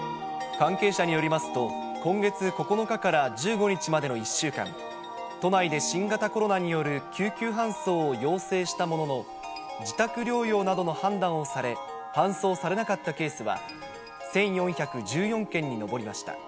関係者によりますと、今月９日から１５日までの１週間、都内で新型コロナによる救急搬送を要請したものの、自宅療養などの判断をされ、搬送されなかったケースは、１４１４件に上りました。